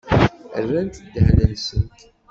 Rrant ddehn-nsent.